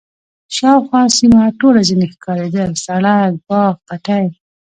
شاوخوا سیمه ټوله ځنې ښکارېدل، سړک، باغ، پټی.